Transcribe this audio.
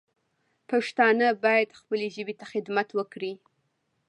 پښتانه باید خپلې ژبې ته خدمت وکړي